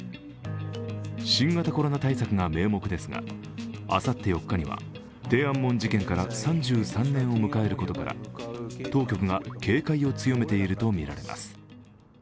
新型コロナ対策が名目ですが、あさって４日には天安門事件から３３年を迎えることから当局が警戒を強めているとみられます。